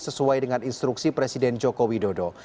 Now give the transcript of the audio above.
sesuai dengan instruksi presiden joko widodo